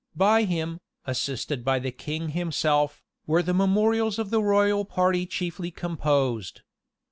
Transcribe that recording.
By him, assisted by the king himself, were the memorials of the royal party chiefly composed.